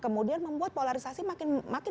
kemudian membuat polarisasi makin